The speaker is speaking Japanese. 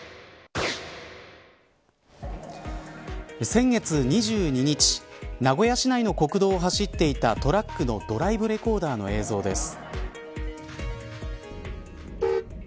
先月２２日名古屋市内の国道を走っていたトラックのドライブレコーダーの映像です。